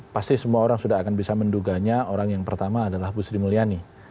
pasti semua orang sudah akan bisa menduganya orang yang pertama adalah bu sri mulyani